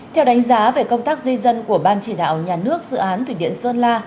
theo đánh giá về công tác di dân của ban chỉ đạo nhà nước dự án thủy điện sơn la